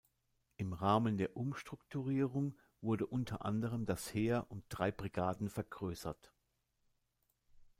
Im Rahmen der Umstrukturierung wurde unter anderem das Heer um drei Brigaden vergrößert.